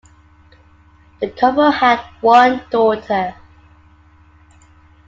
The couple had one daughter.